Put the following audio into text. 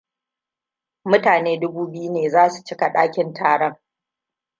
Mutane dubu biyu ne za su cika ɗakin taron.